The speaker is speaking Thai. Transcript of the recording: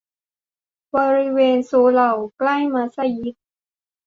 บริเวณสุเหร่าใกล้มัสยิด